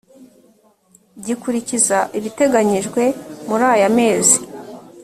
gikurikiza ibiteganyijwe muri aya mezi